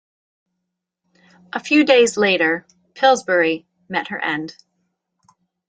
A few days later "Pillsbury" met her end.